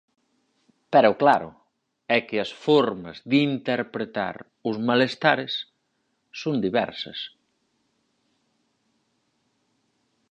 Pero, claro, é que as formas de interpretar os malestares son diversas.